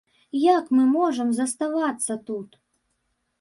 Як мы можам заставацца тут?